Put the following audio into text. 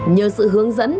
nhờ sự hướng dẫn